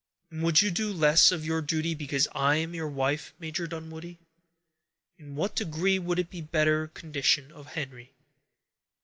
"And would you do less of your duty because I am your wife, Major Dunwoodie? In what degree would it better the condition of Henry?"